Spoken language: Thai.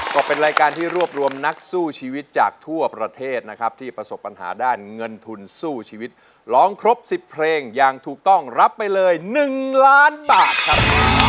ก็เป็นรายการที่รวบรวมนักสู้ชีวิตจากทั่วประเทศนะครับที่ประสบปัญหาด้านเงินทุนสู้ชีวิตร้องครบ๑๐เพลงอย่างถูกต้องรับไปเลย๑ล้านบาทครับ